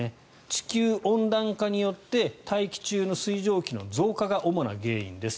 地球温暖化によって大気中の水蒸気の増加が主な原因です。